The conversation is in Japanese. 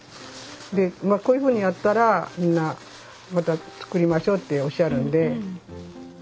でまあこういうふうにやったらみんなまた作りましょうっておっしゃるんで。